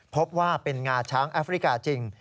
พบว่าเป็นงาช้างแอฟริกาจริง